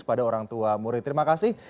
pada orang tua murid terima kasih